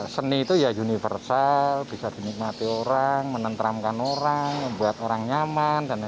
seni itu ya universal bisa dinikmati orang menentramkan orang membuat orang nyaman dan